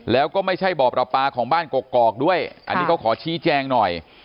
แล้วก็ไม่ใช่บ่อประปาของบ้านกอกด้วยอันนี้เขาขอชี้แจงหน่อย